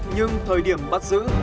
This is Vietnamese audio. nhưng thời điểm bắt giữ